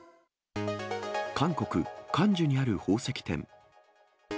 韓国・クァンジュにある宝石店。